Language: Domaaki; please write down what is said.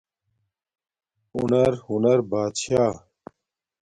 ہنر، ہنر بات شاہ